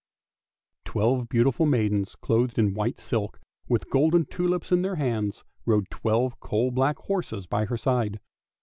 Twelve beautiful maidens clothed in white silk, with golden tulips in their hands, rode twelve coal black horses by her side.